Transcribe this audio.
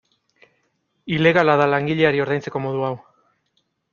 Ilegala da langileari ordaintzeko modu hau.